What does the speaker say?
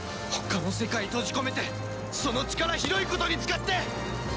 他の世界閉じ込めてその力ひどいことに使って！